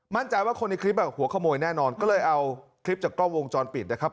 มั่นใจว่าคนในคลิปหัวขโมยแน่นอนก็เลยเอาคลิปจากกล้องวงจรปิดนะครับ